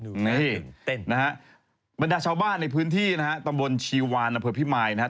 นี่นะฮะบรรยาชาวบ้านในพื้นที่นะฮะตำบลชีวานอำเภอพิมายนะฮะ